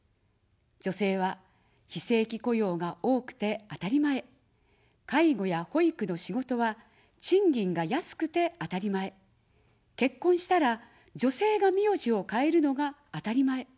女性は非正規雇用が多くてあたりまえ、介護や保育の仕事は賃金が安くてあたりまえ、結婚したら、女性が名字を変えるのがあたりまえ。